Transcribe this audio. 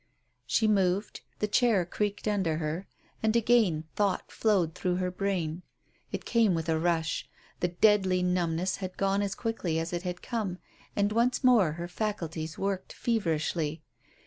She moved, the chair creaked under her, and again thought flowed through her brain. It came with a rush; the deadly numbness had gone as quickly as it had come, and once more her faculties worked feverishly.